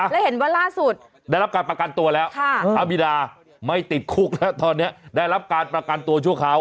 และเห็นว่าร่าสุดภาพบีดาไม่ติดคุกได้รับการประกันตัวชั่วข่าว